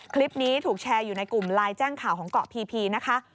คลิปนี้ถูกแชร์อยู่ในกลุ่มไลน์แจ้งข่าวของเกาะพีพีนะคะ